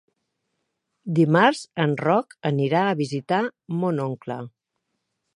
Dimarts en Roc anirà a visitar mon oncle.